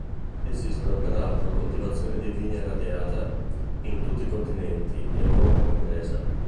Esistono peraltro coltivazioni di "Vigna radiata" in tutti i continenti, Europa compresa.